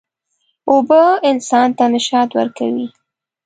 اوبه انسان ته نشاط ورکوي.